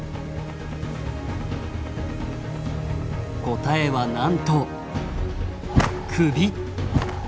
答えはなんと首！